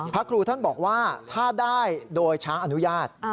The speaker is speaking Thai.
พระครูท่านบอกว่าถ้าได้โดยช้างอนุญาต